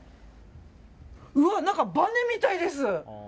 うわ、何かバネみたいです！